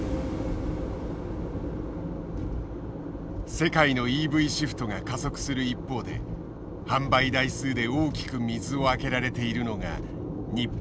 世界のＥＶシフトが加速する一方で販売台数で大きく水をあけられているのが日本だ。